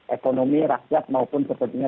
ekonomi rakyat maupun sepertinya